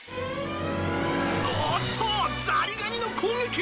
おーっと、ザリガニの攻撃。